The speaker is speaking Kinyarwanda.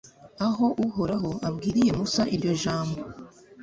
aho uhoraho abwiriye musa iryo jambo